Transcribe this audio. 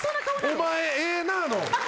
「お前ええなあ」の。